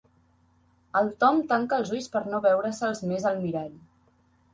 El Tom tanca els ulls per no veure-se'ls més al mirall.